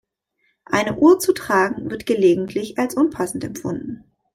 Eine Uhr zu tragen, wird gelegentlich als unpassend empfunden.